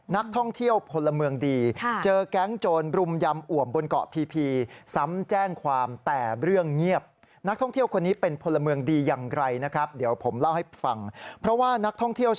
นักท่องเที่ยวพลเมืองดี